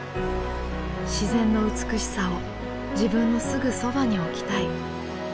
自然の美しさを自分のすぐそばに置きたい。